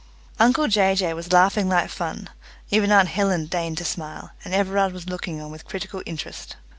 Uncle Jay Jay was laughing like fun; even aunt Helen deigned to smile; and Everard was looking on with critical interest.